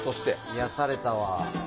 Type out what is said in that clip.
癒やされたわ。